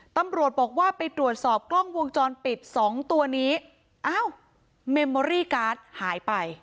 ตำรวจบอกว่าไปตรวจสอบกล้องวงจรปิดสองตัวนี้อ้าวเมมเมอรี่การ์ดหายไป